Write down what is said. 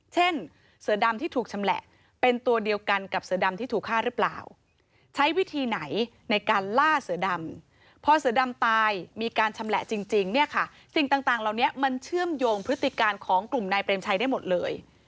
เช่นเสือดำที่ถูกชำแหละเป็นตัวเดียวกันกับเสือดำที่ถูกฆ่าหรือเปล่าใช้วิธีไหนในการล่าเสือดำพอเสือดำตายมีการชำแหละจริงเนี่ยค่ะสิ่งต่างเหล่านี้มันเชื่อมโยงพฤติการของกลุ่มนายเปรมชัยได้หมดเลย